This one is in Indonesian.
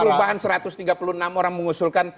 perubahan satu ratus tiga puluh enam orang mengusulkan